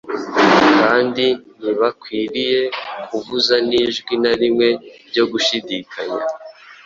kandi ntibakwiriye kuvuza n’ijwi na rimwe ryo gushidikanya.